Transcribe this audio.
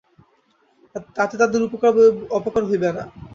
তাতে তাদের উপকার বৈ অপকার হবে না।